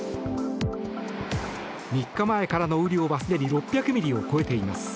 ３日前からの雨量は、すでに６００ミリを超えています。